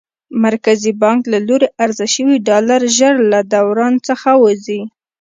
مرکزي بانک له لوري عرضه شوي ډالر ژر له دوران څخه وځي.